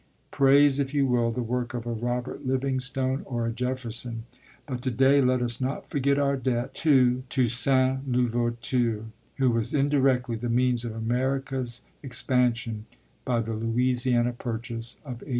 Praise, if you will, the work of a Robert Livingstone or a Jefferson, but to day let us not forget our debt to Toussaint L'Ouverture, who was indirectly the means of America's expansion by the Louisiana Purchase of 1803."